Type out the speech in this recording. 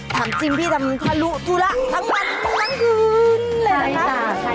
ทำจริงพี่ทำทะลุตูระทั้งมันตั้งคืนเลยนะคะ